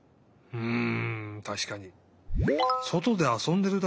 うん。